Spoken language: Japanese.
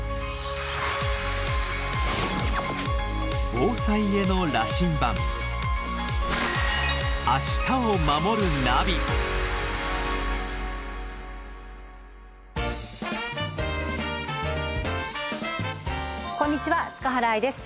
防災への羅針盤こんにちは塚原愛です。